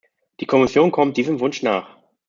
Die Kommission kommt diesem Wunsch nach.